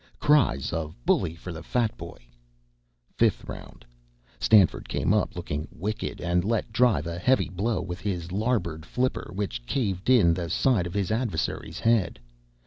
(Cries of "Bully for the Fat Boy!") Fifth Round. Stanford came up looking wicked, and let drive a heavy blow with his larboard flipper which caved in the side of his adversary's head.